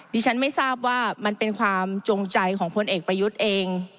ดิฉันไม่ทราบว่ามันเป็นความจงใจของพลเอกประยุทธ์เอง